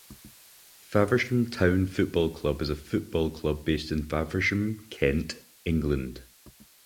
Faversham Town Football Club is a football club based in Faversham, Kent, England.